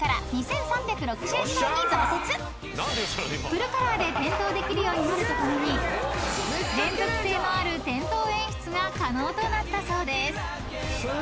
［フルカラーで点灯できるようになるとともに連続性のある点灯演出が可能となったそうです］